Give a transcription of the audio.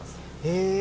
へえ。